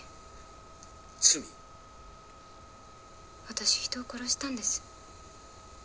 私人を殺したんです。